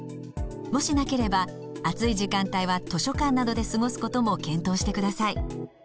もしなければ暑い時間帯は図書館などで過ごすことも検討してください。